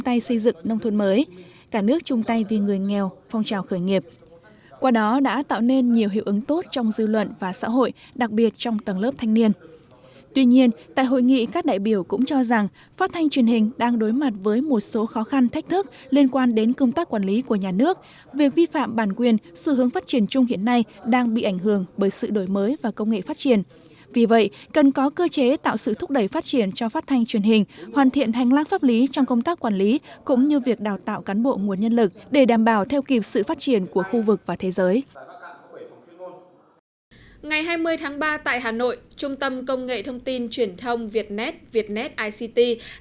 tại hà nội trung tâm công nghệ thông tin truyền thông việtnet việtnet ict đã tổ chức diễn đàn thanh niên quản trị internet